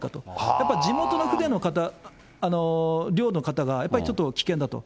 やっぱり地元の船の方、漁の方がやっぱりちょっと危険だと。